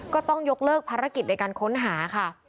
ก็ต้องยกเลิกภารกิจในการค้นหาค่ะ